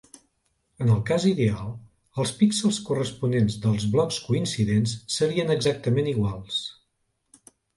En el cas ideal, els píxels corresponents dels blocs coincidents serien exactament iguals.